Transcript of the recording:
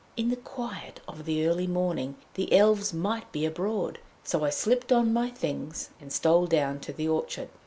In the quiet of the early morning the Elves might be abroad, so I slipped on my things and stole down to the orchard.